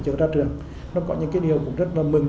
cháu ra trường nó có những cái điều cũng rất là mừng